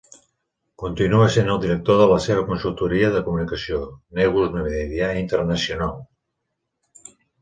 Continua sent el director de la seva consultoria de comunicació, Negus Media International.